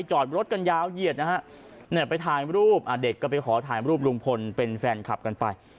จอดรถกันยาวเหยียดนะฮะเนี่ยไปถ่ายรูปเด็กก็ไปขอถ่ายรูปลุงพลเป็นแฟนคลับกันไป